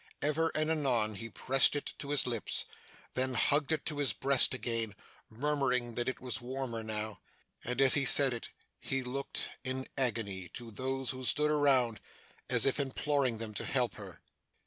Ever and anon he pressed it to his lips; then hugged it to his breast again, murmuring that it was warmer now; and, as he said it, he looked, in agony, to those who stood around, as if imploring them to help her.